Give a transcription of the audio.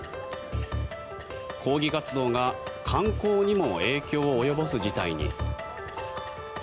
抗議活動が観光にも影響を及ぼす事態に。